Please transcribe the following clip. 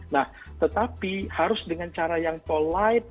nah tetapi harus dengan cara yang polite